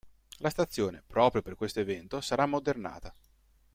La stazione, proprio per questo evento, sarà ammodernata.